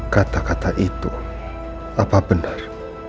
kata kata itu apa benar